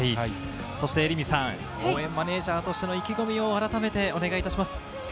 凛美さん、応援マネージャーとしての意気込みを改めてお願いします。